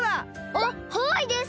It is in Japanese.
あっハワイです！